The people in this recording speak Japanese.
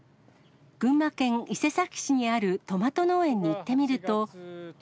群馬県伊勢崎市にあるトマト農園に行ってみると。